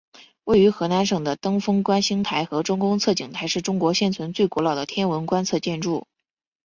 位于河南省的登封观星台和周公测景台是中国现存最古老的天文观测建筑。